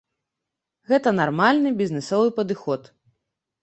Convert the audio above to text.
Гэта нармальны бізнэсовы падыход.